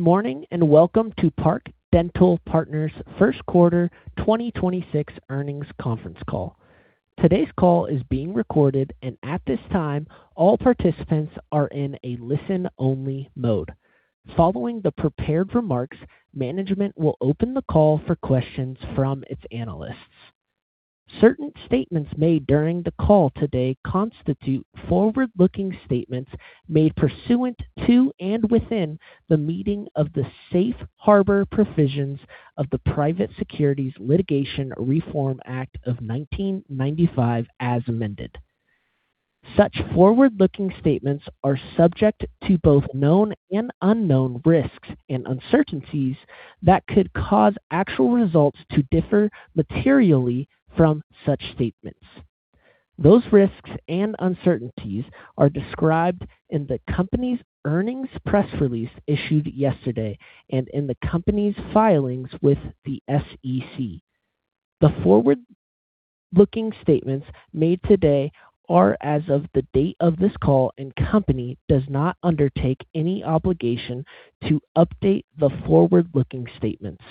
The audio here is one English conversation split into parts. Morning, welcome to Park Dental Partners' first quarter 2026 earnings conference call. Today's call is being recorded, and at this time, all participants are in a listen-only mode. Following the prepared remarks, management will open the call for questions from its analysts. Certain statements made during the call today constitute forward-looking statements made pursuant to and within the meaning of the safe harbor provisions of the Private Securities Litigation Reform Act of 1995 as amended. Such forward-looking statements are subject to both known and unknown risks and uncertainties that could cause actual results to differ materially from such statements. Those risks and uncertainties are described in the company's earnings press release issued yesterday and in the company's filings with the SEC. The forward-looking statements made today are as of the date of this call, and company does not undertake any obligation to update the forward-looking statements.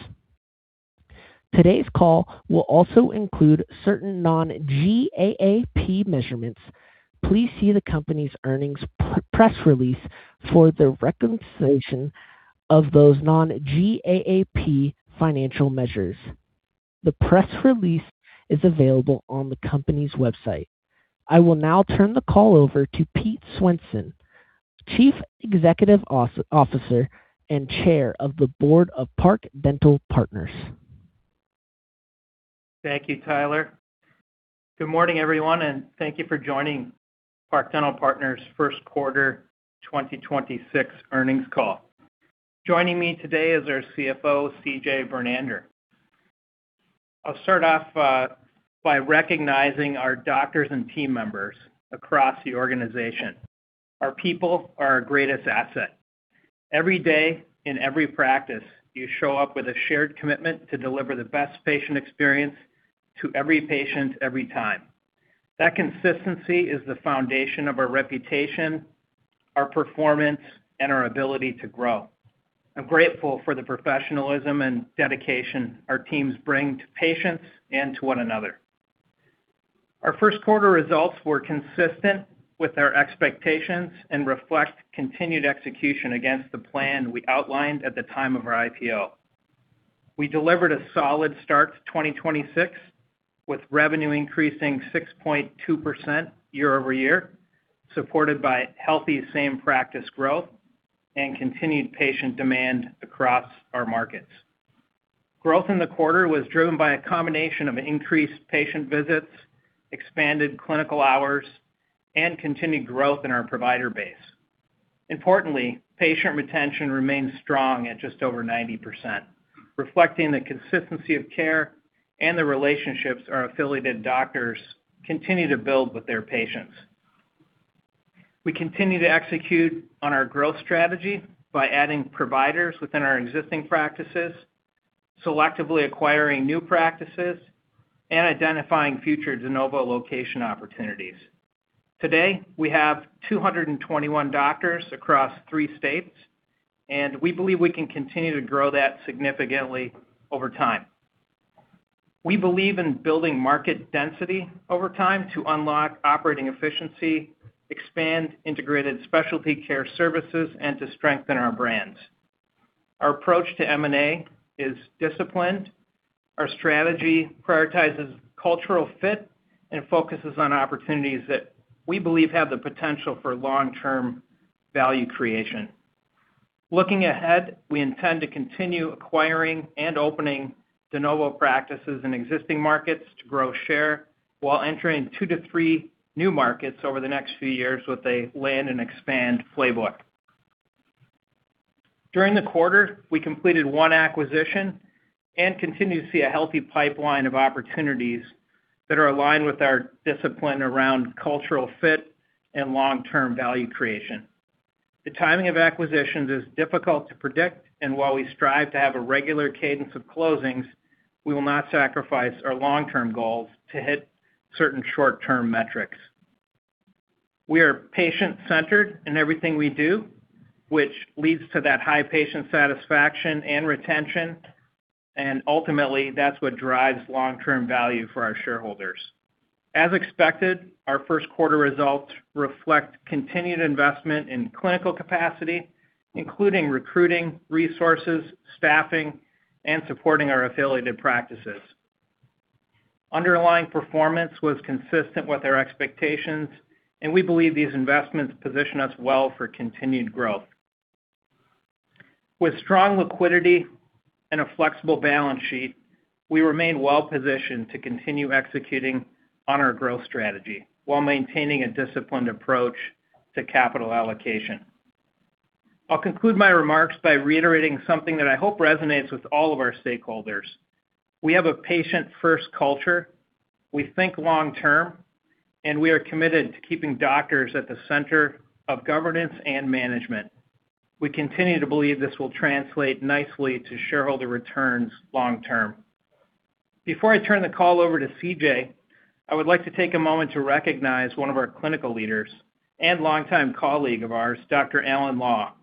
Today's call will also include certain non-GAAP measurements. Please see the company's earnings press release for the reconciliation of those non-GAAP financial measures. The press release is available on the company's website. I will now turn the call over to Pete Swenson, Chief Executive Officer and Chair of the Board of Park Dental Partners. Thank you, Tyler. Good morning, everyone, and thank you for joining Park Dental Partners' first quarter 2026 earnings call. Joining me today is our CFO, CJ Bernander. I'll start off by recognizing our doctors and team members across the organization. Our people are our greatest asset. Every day in every practice, you show up with a shared commitment to deliver the best patient experience to every patient every time. That consistency is the foundation of our reputation, our performance, and our ability to grow. I'm grateful for the professionalism and dedication our teams bring to patients and to one another. Our first quarter results were consistent with our expectations and reflect continued execution against the plan we outlined at the time of our IPO. We delivered a solid start to 2026, with revenue increasing 6.2% year-over-year, supported by healthy same-practice growth and continued patient demand across our markets. Growth in the quarter was driven by a combination of increased patient visits, expanded clinical hours, and continued growth in our provider base. Importantly, patient retention remains strong at just over 90%, reflecting the consistency of care and the relationships our affiliated doctors continue to build with their patients. We continue to execute on our growth strategy by adding providers within our existing practices, selectively acquiring new practices, and identifying future de novo location opportunities. Today, we have 221 doctors across three states, and we believe we can continue to grow that significantly over time. We believe in building market density over time to unlock operating efficiency, expand integrated specialty care services, and to strengthen our brands. Our approach to M&A is disciplined. Our strategy prioritizes cultural fit and focuses on opportunities that we believe have the potential for long-term value creation. Looking ahead, we intend to continue acquiring and opening de novo practices in existing markets to grow share while entering two to three new markets over the next few years with a land and expand playbook. During the quarter, we completed one acquisition and continue to see a healthy pipeline of opportunities that are aligned with our discipline around cultural fit and long-term value creation. The timing of acquisitions is difficult to predict, and while we strive to have a regular cadence of closings, we will not sacrifice our long-term goals to hit certain short-term metrics. We are patient-centered in everything we do, which leads to that high patient satisfaction and retention, and ultimately, that's what drives long-term value for our shareholders. As expected, our first quarter results reflect continued investment in clinical capacity, including recruiting, resources, staffing, and supporting our affiliated practices. Underlying performance was consistent with our expectations, and we believe these investments position us well for continued growth. With strong liquidity and a flexible balance sheet, we remain well positioned to continue executing on our growth strategy while maintaining a disciplined approach to capital allocation. I'll conclude my remarks by reiterating something that I hope resonates with all of our stakeholders. We have a patient-first culture. We think long term, and we are committed to keeping doctors at the center of governance and management. We continue to believe this will translate nicely to shareholder returns long term. Before I turn the call over to CJ, I would like to take a moment to recognize one of our clinical leaders and longtime colleague of ours, Dr. Alan Law.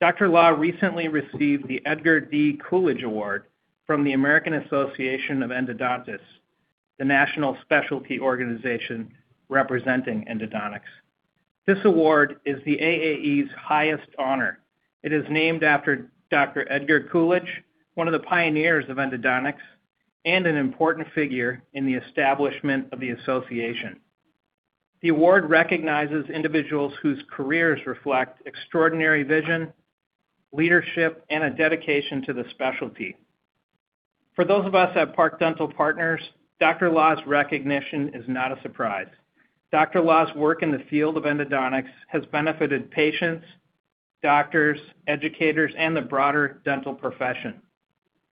Dr. Law recently received the Edgar D. Coolidge Award from the American Association of Endodontists, the national specialty organization representing endodontics. This award is the AAE's highest honor. It is named after Dr. Edgar Coolidge, one of the pioneers of endodontics and an important figure in the establishment of the association. The award recognizes individuals whose careers reflect extraordinary vision, leadership, and a dedication to the specialty. For those of us at Park Dental Partners, Dr. Law's recognition is not a surprise. Dr. Law's work in the field of endodontics has benefited patients, doctors, educators, and the broader dental profession.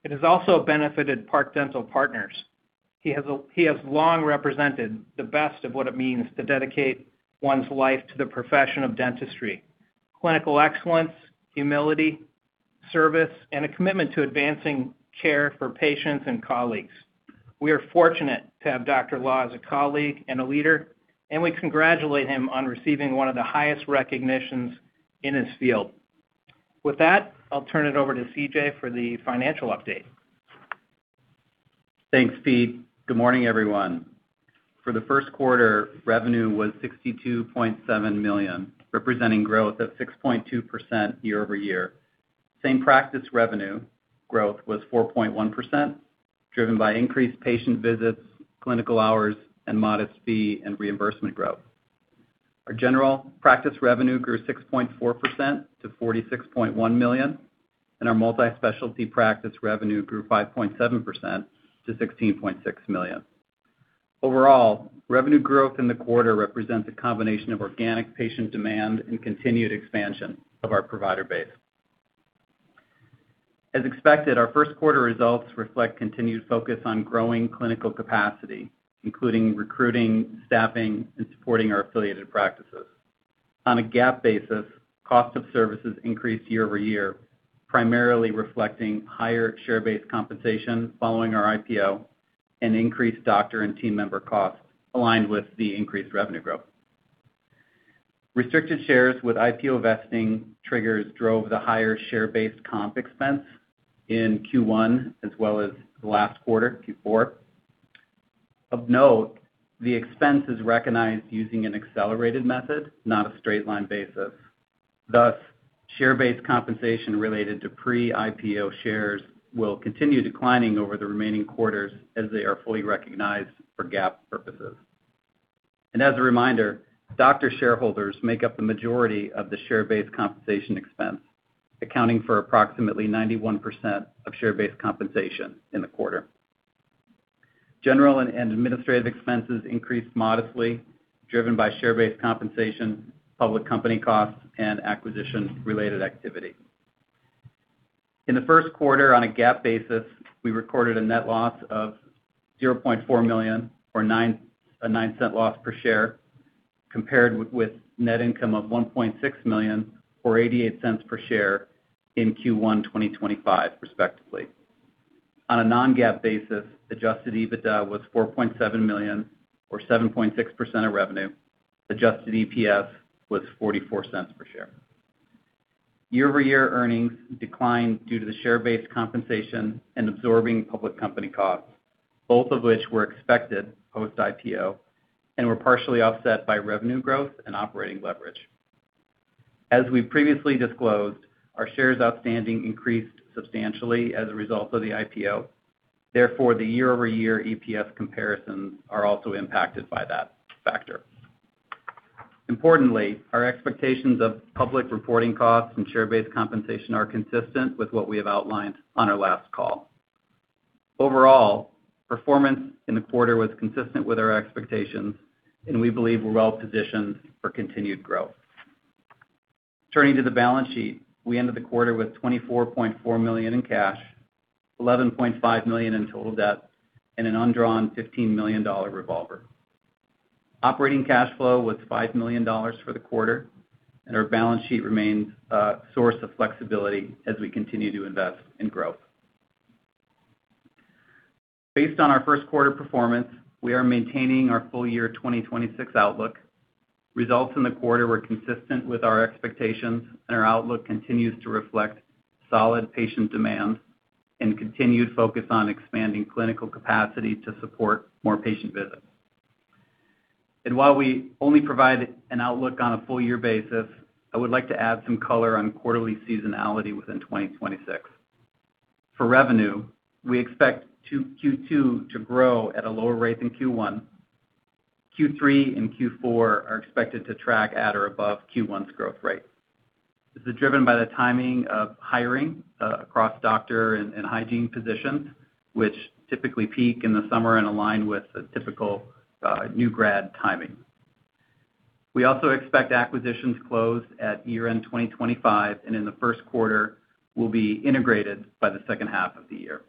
It has also benefited Park Dental Partners. He has long represented the best of what it means to dedicate one's life to the profession of dentistry, clinical excellence, humility, service, and a commitment to advancing care for patients and colleagues. We are fortunate to have Dr. Law as a colleague and a leader, and we congratulate him on receiving one of the highest recognitions in his field. With that, I'll turn it over to CJ for the financial update. Thanks, Pete. Good morning, everyone. For the first quarter, revenue was $62.7 million, representing growth of 6.2% year-over-year. Same practice revenue growth was 4.1%, driven by increased patient visits, clinical hours, and modest fee and reimbursement growth. Our general practice revenue grew 6.4% to $46.1 million, and our multi-specialty practice revenue grew 5.7% to $16.6 million. Overall, revenue growth in the quarter represents a combination of organic patient demand and continued expansion of our provider base. As expected, our first quarter results reflect continued focus on growing clinical capacity, including recruiting, staffing, and supporting our affiliated practices. On a GAAP basis, cost of services increased year-over-year, primarily reflecting higher share-based compensation following our IPO and increased doctor and team member costs aligned with the increased revenue growth. Restricted shares with IPO vesting triggers drove the higher share-based comp expense in Q1 as well as the last quarter, Q4. Of note, the expense is recognized using an accelerated method, not a straight line basis. Thus, share-based compensation related to pre-IPO shares will continue declining over the remaining quarters as they are fully recognized for GAAP purposes. As a reminder, doctor shareholders make up the majority of the share-based compensation expense, accounting for approximately 91% of share-based compensation in the quarter. General and administrative expenses increased modestly, driven by share-based compensation, public company costs, and acquisition-related activity. In the first quarter, on a GAAP basis, we recorded a net loss of $0.4 million or a $0.09 loss per share, compared with net income of $1.6 million or $0.88 per share in Q1 2025, respectively. On a non-GAAP basis, adjusted EBITDA was $4.7 million or 7.6% of revenue. Adjusted EPS was $0.44 per share. Year-over-year earnings declined due to the share-based compensation and absorbing public company costs, both of which were expected post-IPO and were partially offset by revenue growth and operating leverage. As we previously disclosed, our shares outstanding increased substantially as a result of the IPO. The year-over-year EPS comparisons are also impacted by that factor. Importantly, our expectations of public reporting costs and share-based compensation are consistent with what we have outlined on our last call. Overall, performance in the quarter was consistent with our expectations and we believe we're well positioned for continued growth. Turning to the balance sheet, we ended the quarter with $24.4 million in cash, $11.5 million in total debt, and an undrawn $15 million revolver. Operating cash flow was $5 million for the quarter. Our balance sheet remains a source of flexibility as we continue to invest in growth. Based on our first quarter performance, we are maintaining our full year 2026 outlook. Results in the quarter were consistent with our expectations. Our outlook continues to reflect solid patient demand and continued focus on expanding clinical capacity to support more patient visits. While we only provide an outlook on a full year basis, I would like to add some color on quarterly seasonality within 2026. For revenue, we expect Q2 to grow at a lower rate than Q1. Q3 and Q4 are expected to track at or above Q1's growth rate. This is driven by the timing of hiring across doctor and hygiene positions, which typically peak in the summer and align with the typical new grad timing. We also expect acquisitions closed at year-end 2025, and in the 1st quarter will be integrated by the 2nd half of the year.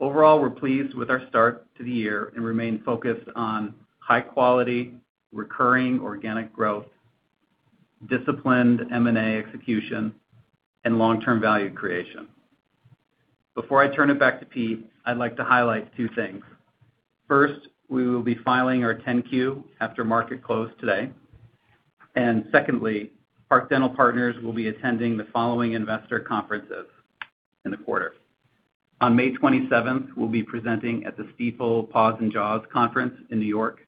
Overall, we're pleased with our start to the year and remain focused on high quality, recurring organic growth, disciplined M&A execution, and long-term value creation. Before I turn it back to Pete, I'd like to highlight two things. First, we will be filing our 10-Q after market close today. Secondly, Park Dental Partners will be attending the following investor conferences in the quarter. On May 27th, we'll be presenting at the Stifel Jaws & Paws Conference in New York.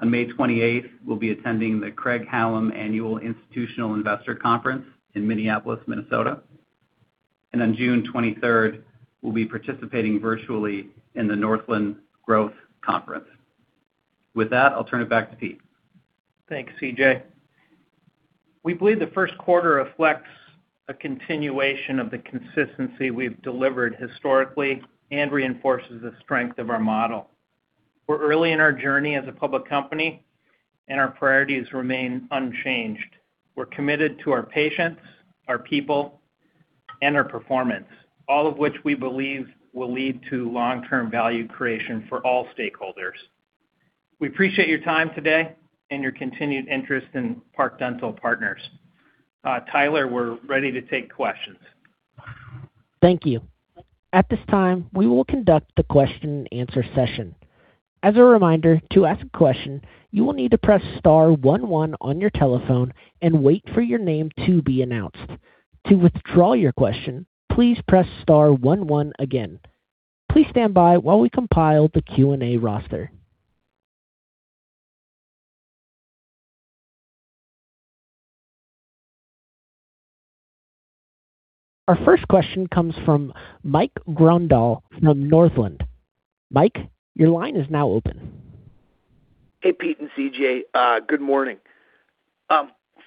On May 28th, we'll be attending the Craig-Hallum Annual Institutional Investor Conference in Minneapolis, Minnesota. On June 23rd, we'll be participating virtually in the Northland Growth Conference. With that, I'll turn it back to Pete. Thanks, CJ. We believe the first quarter reflects a continuation of the consistency we've delivered historically and reinforces the strength of our model. We're early in our journey as a public company, and our priorities remain unchanged. We're committed to our patients, our people, and our performance, all of which we believe will lead to long-term value creation for all stakeholders. We appreciate your time today and your continued interest in Park Dental Partners. Tyler, we're ready to take questions. Thank you. Our first question comes from Mike Grondahl from Northland. Mike, your line is now open. Hey, Pete and CJ. Good morning.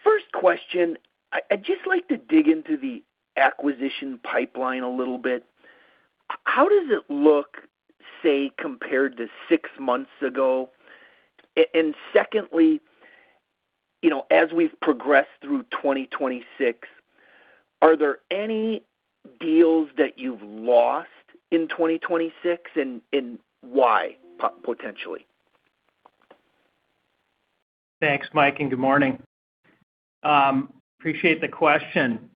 First question, I'd just like to dig into the acquisition pipeline a little bit. How does it look, say, compared to six months ago? Secondly, you know, as we've progressed through 2026, are there any deals that you've lost in 2026, and why potentially? Thanks, Mike, and good morning. Appreciate the question.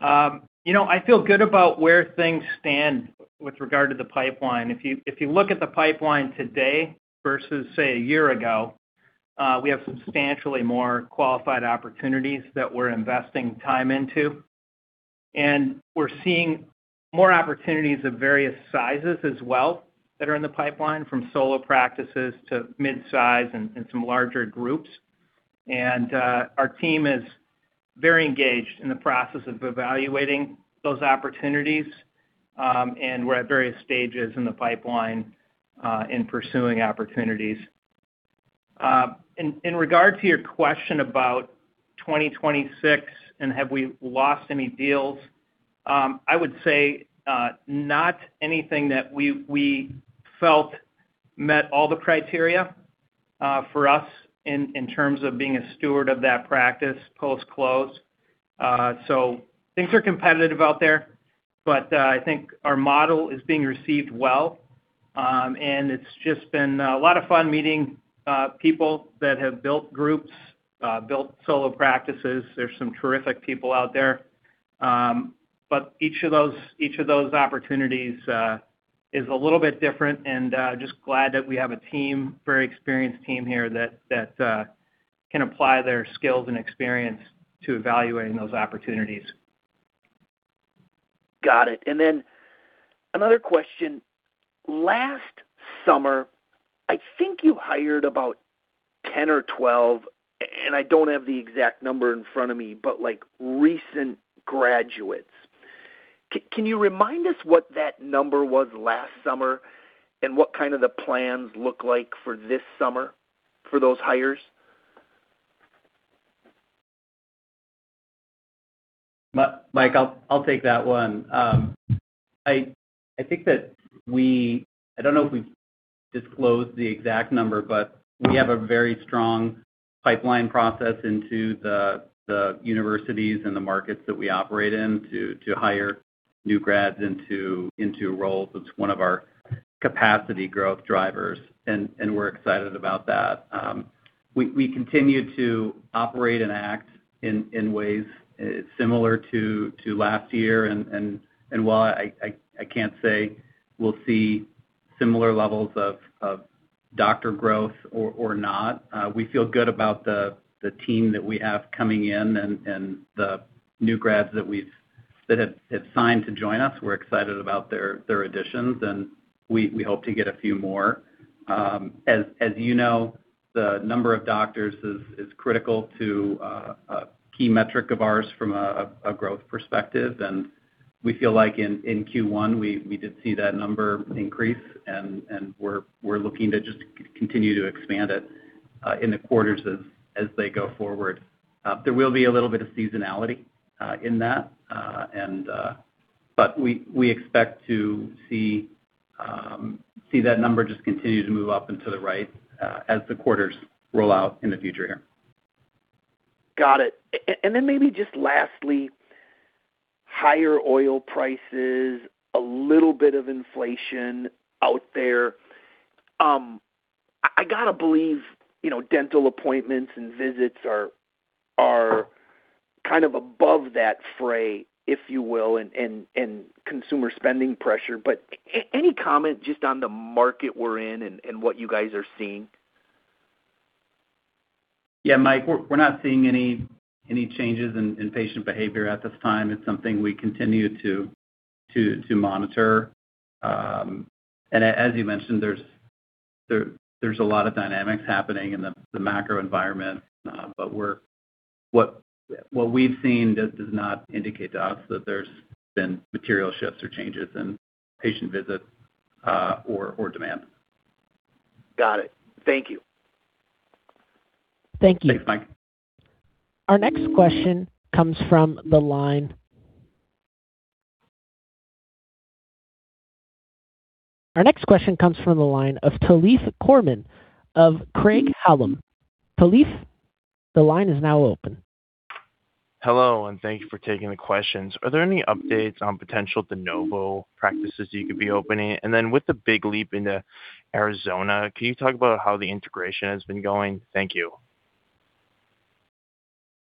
You know, I feel good about where things stand with regard to the pipeline. If you look at the pipeline today versus, say, a year ago, we have substantially more qualified opportunities that we're investing time into. We're seeing more opportunities of various sizes as well that are in the pipeline, from solo practices to midsize and some larger groups. Our team is very engaged in the process of evaluating those opportunities, and we're at various stages in the pipeline in pursuing opportunities. In regard to your question about 2026 and have we lost any deals, I would say not anything that we felt met all the criteria for us in terms of being a steward of that practice post-close. Things are competitive out there, but I think our model is being received well. It's just been a lot of fun meeting people that have built groups, built solo practices. There's some terrific people out there. Each of those, each of those opportunities is a little bit different, and just glad that we have a team, very experienced team here that can apply their skills and experience to evaluating those opportunities. Got it. Another question. Last summer, I think you hired about 10 or 12, and I don't have the exact number in front of me, but like recent graduates. Can you remind us what that number was last summer and what kind of the plans look like for this summer for those hires? Mike, I'll take that one. I think that I don't know if we've disclosed the exact number, but we have a very strong pipeline process into the universities and the markets that we operate in to hire new grads into roles. It's one of our capacity growth drivers, and we're excited about that. We continue to operate and act in ways similar to last year. While I can't say we'll see similar levels of doctor growth or not, we feel good about the team that we have coming in and the new grads that have signed to join us. We're excited about their additions, and we hope to get a few more. As you know, the number of doctors is critical to a key metric of ours from a growth perspective. We feel like in Q1, we did see that number increase, and we're looking to just continue to expand it in the quarters as they go forward. There will be a little bit of seasonality in that. But we expect to see that number just continue to move up and to the right as the quarters roll out in the future here. Got it. Then maybe just lastly. Higher oil prices, a little bit of inflation out there. I gotta believe, you know, dental appointments and visits are kind of above that fray, if you will, and consumer spending pressure. Any comment just on the market we're in and what you guys are seeing? Yeah, Mike, we're not seeing any changes in patient behavior at this time. It's something we continue to monitor. As you mentioned, there's a lot of dynamics happening in the macro environment, but what we've seen does not indicate to us that there's been material shifts or changes in patient visits or demand. Got it. Thank you. Thank you. Thanks, Mike. Our next question comes from the line of Tollef Kohrman of Craig-Hallum. Tollef, the line is now open. Hello, thank you for taking the questions. Are there any updates on potential de novo practices you could be opening? With the big leap into Arizona, can you talk about how the integration has been going? Thank you.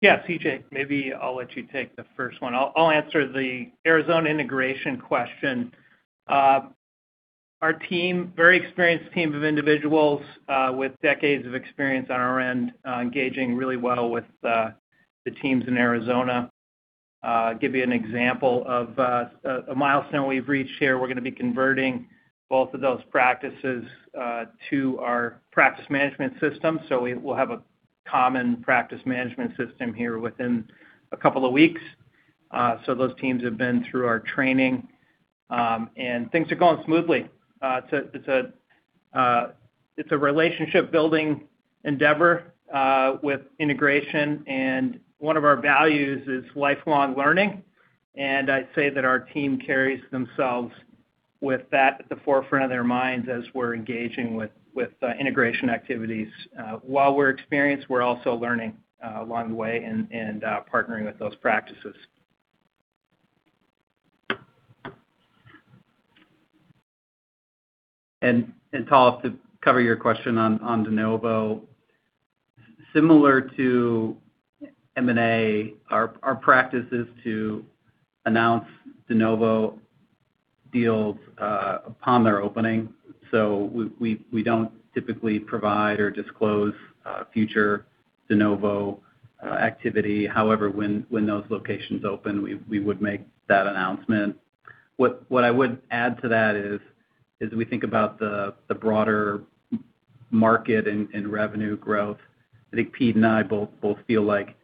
Yeah, CJ, maybe I'll let you take the first one. I'll answer the Arizona integration question. Our team, very experienced team of individuals, with decades of experience on our end, engaging really well with the teams in Arizona. Give you an example of a milestone we've reached here. We're going to be converting both of those practices to our practice management system, so we will have a common practice management system here within a couple of weeks. Those teams have been through our training, and things are going smoothly. It's a relationship building endeavor with integration, and one of our values is lifelong learning. I'd say that our team carries themselves with that at the forefront of their minds as we're engaging with integration activities. While we're experienced, we're also learning along the way and partnering with those practices. Tol, to cover your question on de novo, similar to M&A, our practice is to announce de novo deals upon their opening. We don't typically provide or disclose future de novo activity. However, when those locations open, we would make that announcement. What I would add to that is, as we think about the broader market and revenue growth, I think Pete and I both feel like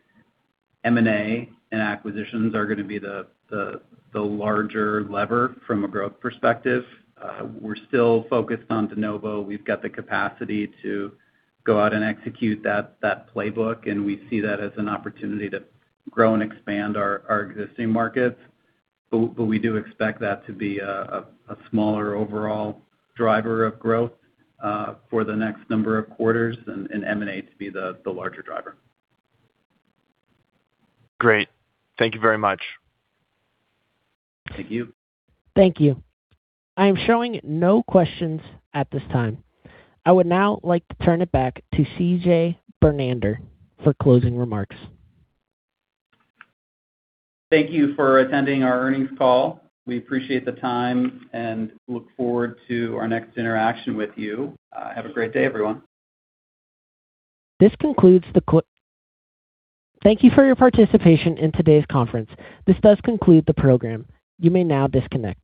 M&A and acquisitions are gonna be the larger lever from a growth perspective. We're still focused on de novo. We've got the capacity to go out and execute that playbook, and we see that as an opportunity to grow and expand our existing markets. We do expect that to be a smaller overall driver of growth, for the next number of quarters and M&A to be the larger driver. Great. Thank you very much. Thank you. Thank you. I am showing no questions at this time. I would now like to turn it back to CJ Bernander for closing remarks. Thank you for attending our earnings call. We appreciate the time and look forward to our next interaction with you. Have a great day, everyone. This concludes the thank you for your participation in today's conference. This does conclude the program. You may now disconnect.